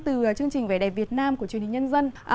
từ chương trình vẻ đẹp việt nam của truyền hình nhân dân